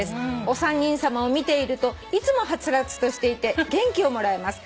「お三人さまを見ているといつもはつらつとしていて元気をもらえます。